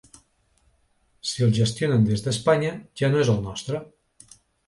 Si el gestionen des d'Espanya ja no és el nostre.